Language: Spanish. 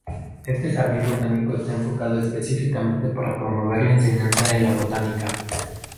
Este jardín botánico está enfocado específicamente para promover la enseñanza de la botánica.